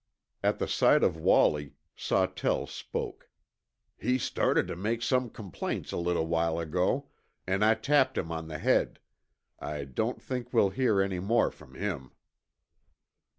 At the sight of Wallie, Sawtell spoke. "He started to make some complaints a little while ago, an' I tapped him on the head. I don't think we'll hear any more from him."